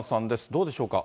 どうでしょうか。